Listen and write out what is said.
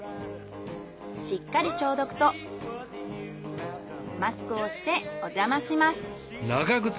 しっかり消毒とマスクをしておじゃまします。